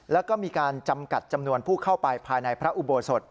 แล้วก็มีการจำกัดจำนวนผู้เข้าไปภายในพระอุโบสถ